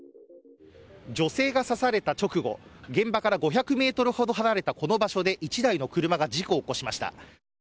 女性が刺された直後現場から５００ｍほど離れたこの場所で１台の車が事故を起こしました。